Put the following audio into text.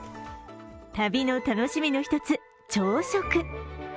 旅の楽しみの１つ、朝食。